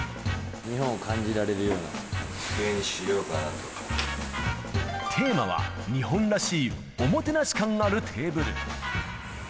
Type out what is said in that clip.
日本を感じられるような机にテーマは、日本らしいおもてなし感のあるテーブル。